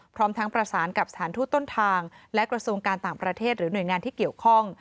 พร้อมทั้งประสานกับสถานทูตต้นทางและกระทรวงการต่างประเทศหรือหน่วยงานที่เกี่ยวข้อง